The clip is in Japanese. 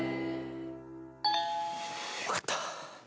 よかった。